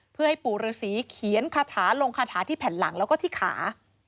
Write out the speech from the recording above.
เพื่อให้ปู่ฤษีเขียนคาถาลงคาถาที่แผ่นหลังแล้วก็ที่ขา